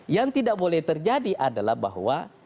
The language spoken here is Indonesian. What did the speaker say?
yang tidak boleh terjadi adalah bahwa